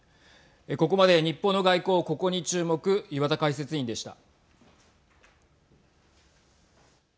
ここまで日本の外交ここに注目岩田解説委員でした。